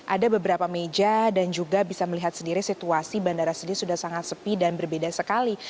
ada beberapa meja dan juga bisa melihat sendiri situasi bandara sendiri sudah sangat sepi dan berbeda sekali